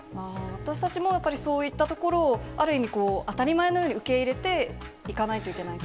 私たちもそういったところをある意味、当たり前のように受け入れて行かないといけない。